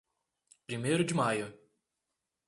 Primeiro de Maio